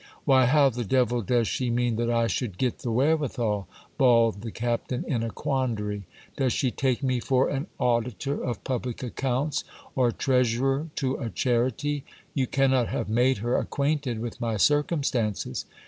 Why, how the devil does she mean that I should get the wherewithal ? bawled the cap tain in a quandary. Does she take me for an auditor of public accounts, or trea surer to a charity ? You cannot have made her acquainted with my circumstances.